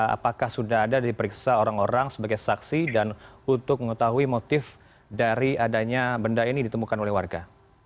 apakah sudah ada diperiksa orang orang sebagai saksi dan untuk mengetahui motif dari adanya benda ini ditemukan oleh warga